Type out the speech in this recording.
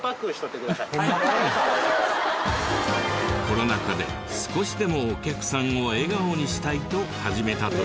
コロナ禍で少しでもお客さんを笑顔にしたいと始めたという。